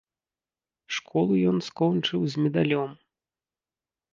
Школу ён скончыў з медалём.